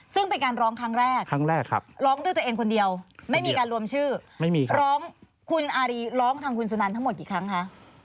ซึ่งเป็นการร้องครั้งแรกครั้งแรกครับร้องด้วยตัวเองคนเดียวไม่มีการรวมชื่อร้องคุณอารีร้องทางคุณสุนันทั้งหมดกี่ครั้งคะ